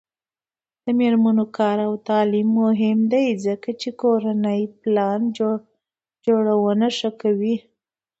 د میرمنو کار او تعلیم مهم دی ځکه چې کورنۍ پلان جوړونه ښه کوي.